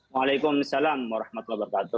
waalaikumsalam warahmatullahi wabarakatuh